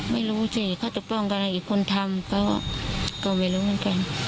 ไม่รู้สิเขาจะป้องกันอะไรอีกคนทำเขาก็ไม่รู้เหมือนกัน